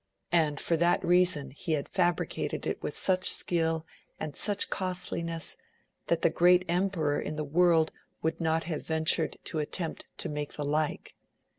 and for that reason he had fabricated it witli «uch skill and such costliness, that the greatest emperor in the world would not have ventured to attempt to make the like.